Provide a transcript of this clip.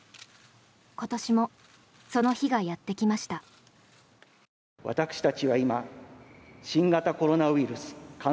今年もその日がやってきました。